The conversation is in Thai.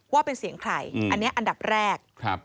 ว่าเป็นเสียงใครอันนี้อันดับแรก